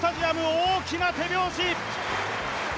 大きな手拍子。